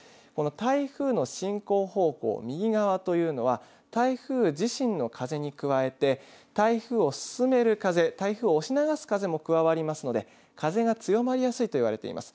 この台風の進行方向の右側というのは台風自身の風に加えて台風を進める風、台風を押し流す風も加わりますので風が強まりやすいと言われています。